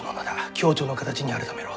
共著の形に改めろ。